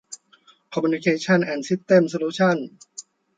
คอมมิวนิเคชั่น แอนด์ ซิสเต็มส์ โซลูชั่น